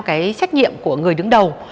cái trách nhiệm của người đứng đầu